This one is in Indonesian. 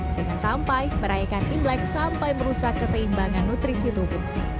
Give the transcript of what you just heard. jangan sampai merayakan imlek sampai merusak keseimbangan nutrisi tubuh